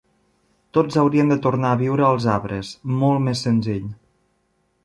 Tots hauríem de tornar a viure als arbres, molt més senzill.